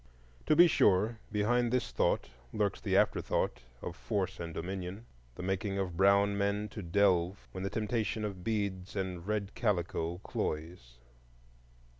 To be sure, behind this thought lurks the afterthought of force and dominion,—the making of brown men to delve when the temptation of beads and red calico cloys.